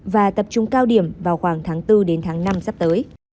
và tập trung cao điểm vào khoảng tháng bốn đến tháng năm sắp tới